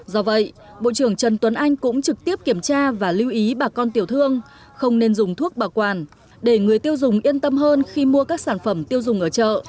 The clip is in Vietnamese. do vậy bộ trưởng trần tuấn anh cũng trực tiếp kiểm tra và lưu ý bà con tiểu thương không nên dùng thuốc bảo quản để người tiêu dùng yên tâm hơn khi mua các sản phẩm tiêu dùng ở chợ